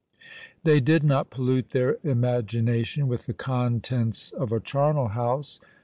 They did not pollute their imagination with the contents of a charnel house.